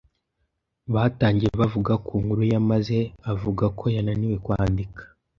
Batangiye bavuga ku nkuru ya maze avuga ko yananiwe kwandika